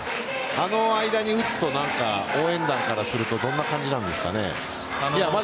あの間に打つとなんか応援団からするとどんな感じなんですかね。